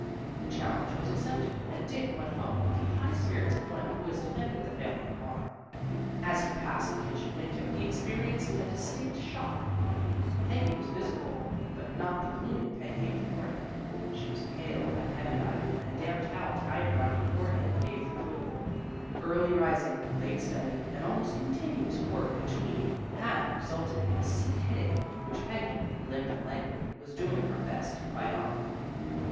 The challenge was accepted, and Dick went home with the high spirits of one who has de fended the family honor. As he passed the kitchen window he experienced a distinct shock. Peggy was visible, but not the bloom ing Peggy of the morning. She was pale and heavy eyed and a damp towel tied around her forehead gave the clue. Early rising, late study, and almost continuous work between had resulted in a sick headache, which Peggy, limp and languid, was doing her best to fight off.